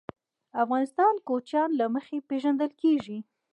افغانستان د کوچیان له مخې پېژندل کېږي.